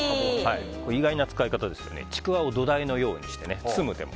意外な使い方ですけどちくわを土台のようにします。